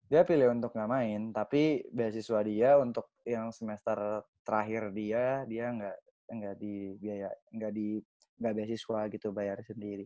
dia pilih untuk gak main tapi beasiswa dia untuk yang semester terakhir dia dia nggak beasiswa gitu bayar sendiri